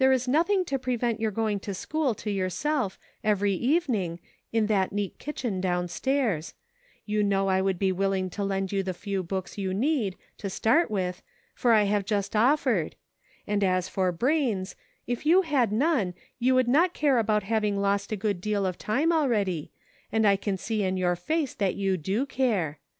There is nothing to prevent your going to school to yourself, every evening, in that neat kitchen down stairs ; you know I would be willing to lend you the few books you need, to start with, for I have just offered ; and as for brains, if you had none, you would not care about having lost a good deal of time already, and I can see in your face that you do care.